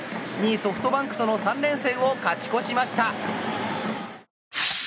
２位、ソフトバンクとの３連戦を勝ち越しました。